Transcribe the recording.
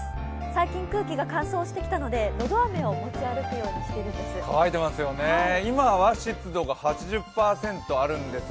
最近空気が乾燥してきたのでのどあめを持ち歩くようにしているんです。